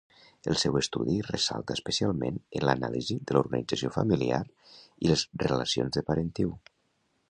El seu estudi ressalta especialment en l'anàlisi de l'organització familiar i les relacions de parentiu.